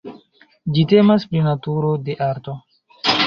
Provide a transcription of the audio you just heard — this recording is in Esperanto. Ĝi temas pri naturo de arto.